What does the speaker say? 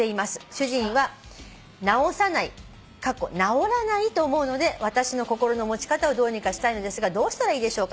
「主人は直さないと思うので私の心の持ち方をどうにかしたいのですがどうしたらいいでしょうか？